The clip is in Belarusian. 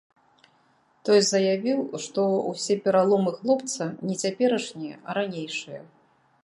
Той заявіў, што ўсе пераломы хлопца не цяперашнія, а ранейшыя.